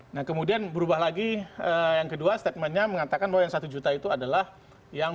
nah kemudian berubah lagi yang kedua statementnya mengatakan bahwa yang satu juta itu adalah yang